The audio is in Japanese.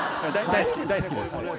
大好きです。